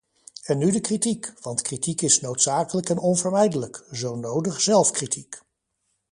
En nu de kritiek, want kritiek is noodzakelijk en onvermijdelijk, zo nodig zelfkritiek.